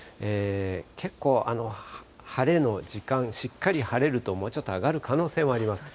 けっこう晴れの時間、しっかり晴れると、もうちょっと上がる可能性はあります。